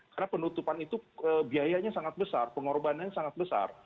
karena penutupan itu biayanya sangat besar pengorbanannya sangat besar